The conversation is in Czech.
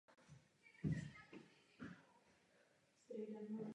Poezii se začala věnovat během studií a své básně publikovala například ve školních novinách.